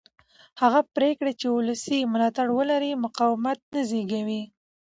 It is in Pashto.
هغه پرېکړې چې ولسي ملاتړ ولري مقاومت نه زېږوي